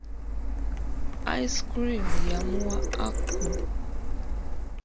Ice cream yamuwa Aku.